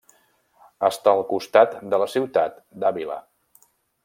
Està al costat de la ciutat d'Àvila.